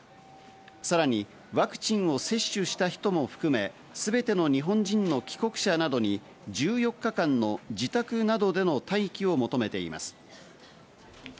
さらにワクチンを接種した人も含め、すべての日本人の帰国者などに１４日間の自宅などでの待機を求めています。